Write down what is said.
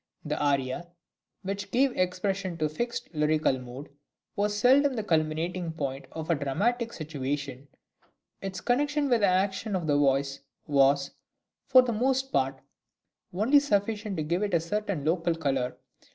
The aria, which gave expression to a fixed lyrical mood, was seldom the culminating point of a dramatic situation; its connection with the action of the piece was, for the most {OPERA SERIA.} (162) part, only sufficient to give it a certain local colour.